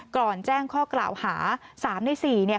ก่อนแจ้งข้อกล่าวหา๓ใน๔เนี่ย